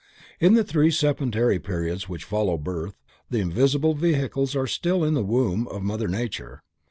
In the three septenary periods which follow birth, the invisible vehicles are still in the womb of mother nature.